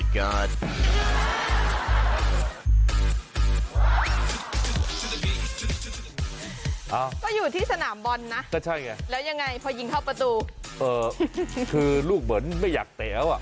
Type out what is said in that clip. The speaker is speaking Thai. ก็อยู่ที่สนามบอลนะก็ใช่ไงแล้วยังไงพอยิงเข้าประตูคือลูกเหมือนไม่อยากเตะแล้วอ่ะ